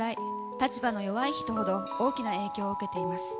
立場の弱い人ほど大きな影響を受けています。